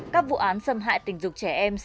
các vụ án xâm hại tình dục trẻ em